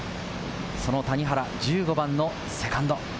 その谷原、１５番のセカンド。